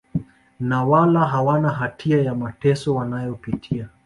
na wala hawana hatia ya mateso wanayopitia